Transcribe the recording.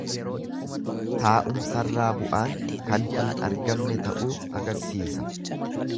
Taa'umsarraa bu'aan kan hin argamne ta'uu agarsiisa.